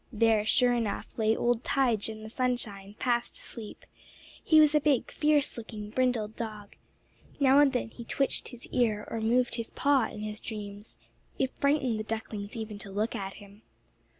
There, sure enough, lay old Tige in the sunshine, fast asleep. He was a big, fierce looking brindled dog. Now and then he twitched his ear or moved his paw in his dreams. It frightened the ducklings even to look at him.